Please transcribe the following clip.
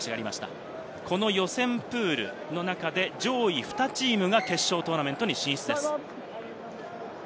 予選プールの中で上位２チームが決勝トーナメントに進出です。